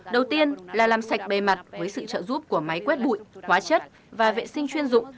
đầu tiên là làm sạch bề mặt với sự trợ giúp của máy quét bụi hóa chất và vệ sinh chuyên dụng